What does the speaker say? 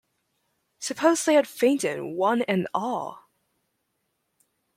Suppose they had fainted, one and all!